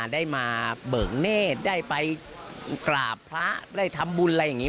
ได้มาเบิกเนธได้ไปกราบพระได้ทำบุญอะไรอย่างนี้